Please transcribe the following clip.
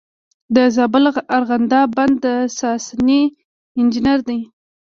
د زابل ارغنداب بند د ساساني انجینر دی